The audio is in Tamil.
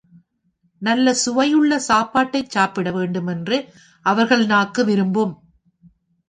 நல்ல சுவையுள்ள சாப்பாட்டைச் சாப்பிட வேண்டுமென்று அவர்கள் நாக்கு விரும்பும்.